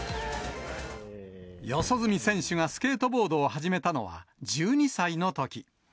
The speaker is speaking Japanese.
四十住選手がスケートボードを始めたのは、１２歳のとき。